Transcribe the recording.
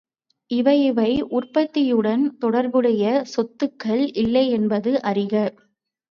இவை இவை உற்பத்தியுடன் தொடர்புடைய சொத்துக்கள் இல்லையென்பது அறிக.